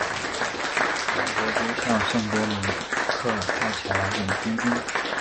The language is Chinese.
两国都向圣多明克派遣了远征军。